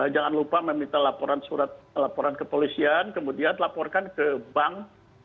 jangan lupa meminta laporan kepolisian kemudian laporkan ke bank